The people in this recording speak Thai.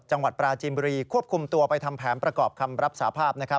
จังหวัดปราจีนบุรีควบคุมตัวไปทำแผนประกอบคำรับสาภาพ